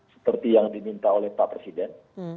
seperti yang diminta oleh pak presiden